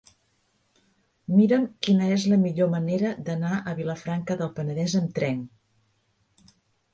Mira'm quina és la millor manera d'anar a Vilafranca del Penedès amb tren.